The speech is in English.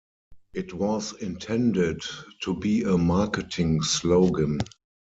It was intended to be a marketing slogan.